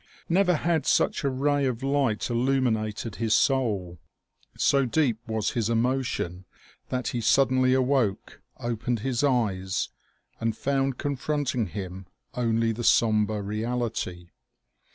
Never had such a ray of light illuminated his soul. So deep was his emotion that he suddenly awoke, opened his eyes, and found confronting him only the somber reality.